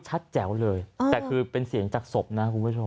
แจ๋วเลยแต่คือเป็นเสียงจากศพนะคุณผู้ชม